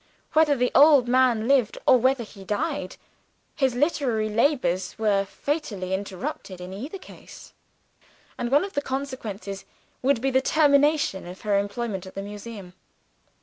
Whether the old man lived or whether he died, his literary labors were fatally interrupted in either case; and one of the consequences would be the termination of her employment at the Museum.